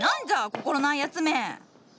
心ないやつめ！